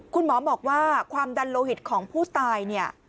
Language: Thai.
คุณหมอบอกว่าความดันโลหิตของผู้ตายเนี่ย